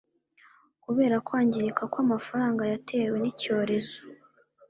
kubera kwangirika kwamafaranga yatewe nicyorezo